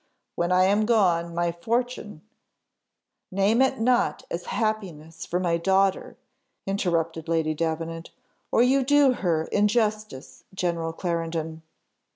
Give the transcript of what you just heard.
When I am gone, my fortune " "Name it not as happiness for my daughter," interrupted Lady Davenant, "or you do her injustice, General Clarendon."